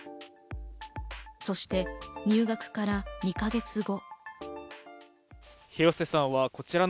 そして、入学から２か月後。